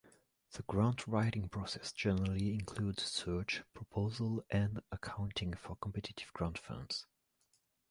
The grant writing process generally includes search, proposal and accounting for competitive grant funds.